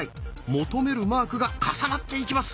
求めるマークが重なっていきます。